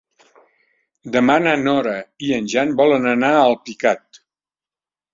Demà na Nora i en Jan volen anar a Alpicat.